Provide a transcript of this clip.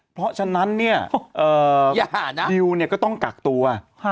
เพราะฉะนั้นเนี่ยนิวเนี่ยก็ต้องกักตัว